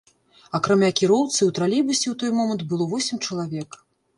Акрамя кіроўцы, у тралейбусе ў той момант было восем чалавек.